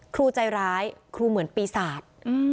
ครูใจร้ายครูเหมือนปีศาจ